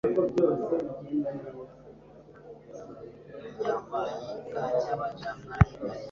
batunze inyandiko z agaciro bose abamenyesha